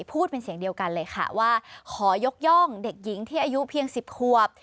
พูดเป็นเสียงเดียวกันเลยค่ะว่าขอยกย่องเด็กหญิงที่อายุเพียง๑๐ขวบ